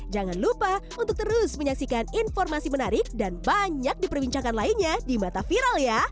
jangan lupa untuk terus menyaksikan informasi menarik dan banyak diperbincangkan lainnya di mata viral ya